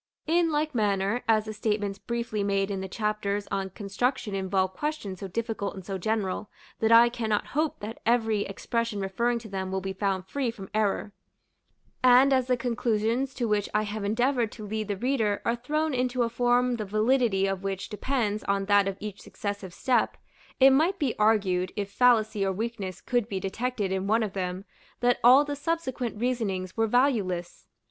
In like manner, as the statements briefly made in the chapters on construction involve questions so difficult and so general, that I cannot hope that every expression referring to them will be found free from error: and as the conclusions to which I have endeavored to lead the reader are thrown into a form the validity of which depends on that of each successive step, it might be argued, if fallacy or weakness could be detected in one of them, that all the subsequent reasonings were valueless.